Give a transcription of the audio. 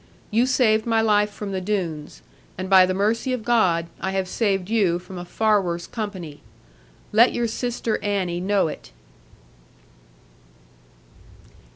You saved my life from the Doones; and by the mercy of God, I have saved you from a far worse company. Let your sister Annie know it.'